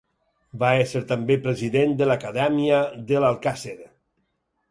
Va ésser també president de l'Acadèmia de l'Alcàsser.